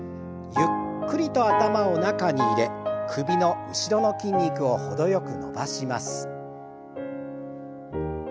ゆっくりと頭を中に入れ首の後ろの筋肉を程よく伸ばします。